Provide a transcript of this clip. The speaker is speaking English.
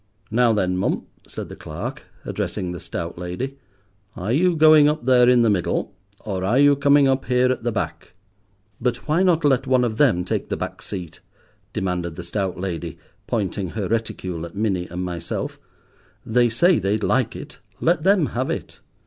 "Now then, mum," said the clerk, addressing the stout lady, "are you going up there in the middle, or are you coming up here at the back?" "But why not let one of them take the back seat?" demanded the stout lady, pointing her reticule at Minnie and myself; "they say they'd like it. Let them have it."